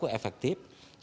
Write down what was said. kita akan melakukan perlawanan